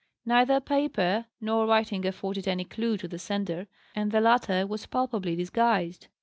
Neither paper nor writing afforded any clue to the sender, and the latter was palpably disguised.